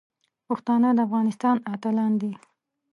پښتانه د افغانستان اتلان دي.